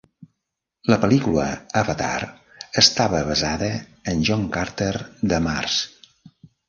La pel·lícula "Avatar" estava basada en John Carter de Mars.